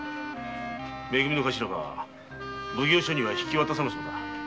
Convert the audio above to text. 「め組」のカシラが奉行所には引き渡さぬそうだ。